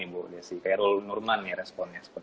kayak rule nurman nih responnya